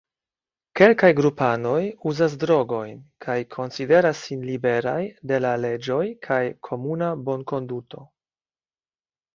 Kelkaj grupanoj uzas drogojn kaj konsideras sin liberaj de la leĝoj kaj komuna bonkonduto.